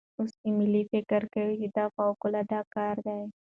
اوس ایمیلی فکر کوي دا فوقالعاده کار دی.